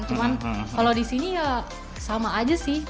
cuman kalau di sini ya sama aja sih